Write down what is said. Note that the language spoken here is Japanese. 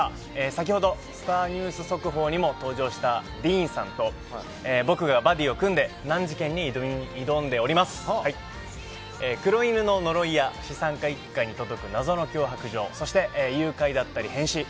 先ほどスター☆ニュース速報にも登場したディーンさんとバディを組んで難事件に挑んでおります。黒犬の呪いや資産家一家に届く謎の脅迫状そして誘拐だったり変死。